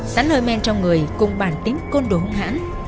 sánh hơi men trong người cùng bản tính côn đồ hùng hãn